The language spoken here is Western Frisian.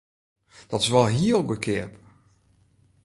Dat is wol hiel goedkeap!